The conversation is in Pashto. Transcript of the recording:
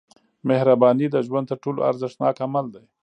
• مهرباني د ژوند تر ټولو ارزښتناک عمل دی.